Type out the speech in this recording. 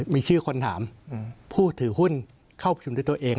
มีชื่อคนถามผู้ถือหุ้นเข้าประชุมด้วยตัวเอง